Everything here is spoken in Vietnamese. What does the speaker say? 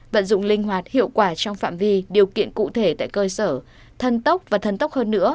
vận dụng linh hoạt hiệu quả trong phạm vi điều kiện cụ thể tại cơ sở thân tốc và thân tốc hơn nữa